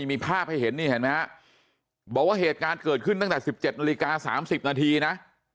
มีภาพให้เห็นนี่เห็นไหมฮะบอกว่าเหตุการณ์เกิดขึ้นตั้งแต่๑๗นาฬิกา๓๐นาทีนะ